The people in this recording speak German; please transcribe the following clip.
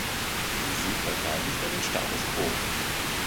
Sie verteidigte den Status quo.